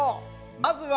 まずは。